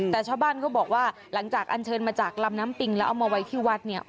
แต่ชาวบ้านก็บอกว่าหลังจากอันเชิญมาจากลำน้ำปิงแล้วเอามาไว้ที่วัดเนี่ย